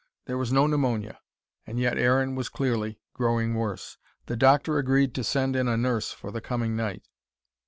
There was no pneumonia. And yet Aaron was clearly growing worse. The doctor agreed to send in a nurse for the coming night.